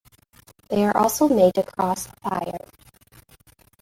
They are also made to cross a fire.